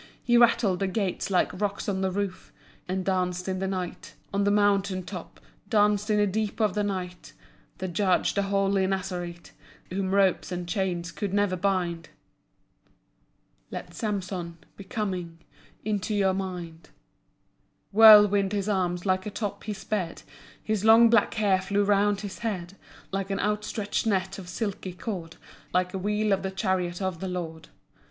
He rattled the gates like rocks on the roof, And danced in the night On the mountain top, Danced in the deep of the night: The Judge, the holy Nazarite, Whom ropes and chains could never bind. Let Samson Be coming Into your mind. Whirling his arms, like a top he sped. His long black hair flew round his head Like an outstretched net of silky cord, Like a wheel of the chariot of the Lord.